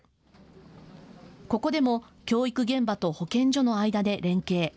ここでも教育現場と保健所の間で連携。